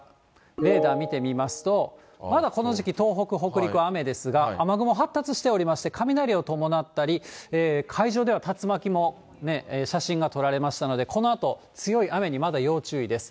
レーダー見てみますと、まだこの時期、東北、北陸、雨ですが、雨雲発達しておりまして、雷を伴ったり、海上では竜巻も、写真が撮られましたので、このあと、強い雨にまだ要注意です。